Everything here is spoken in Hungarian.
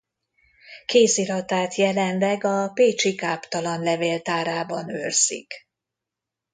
Kéziratát jelenleg a Pécsi Káptalan Levéltárában őrzik.